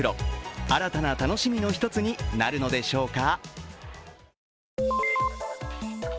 新たな楽しみの一つになるのでしょうか。